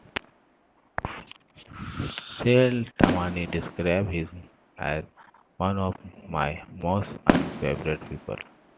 Shel Tamany described him as "one of my most unfavourite people".